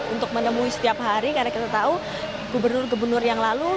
untuk menemui setiap hari karena kita tahu gubernur gubernur yang lalu